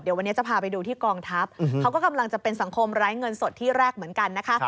เดี๋ยววันนี้จะพาไปดูที่กองทัพเขาก็กำลังจะเป็นสังคมไร้เงินสดที่แรกเหมือนกันนะคะ